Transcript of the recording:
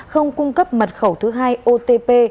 không cung cấp mật khẩu thứ hai otp